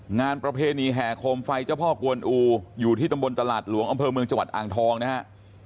ประเพณีแห่โคมไฟเจ้าพ่อกวนอูอยู่ที่ตำบลตลาดหลวงอำเภอเมืองจังหวัดอ่างทองนะฮะ